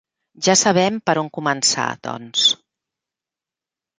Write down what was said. Ja sabem per on començar, doncs.